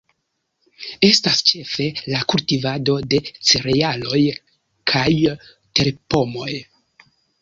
Estas ĉefe la kultivado de cerealoj kaj terpomoj.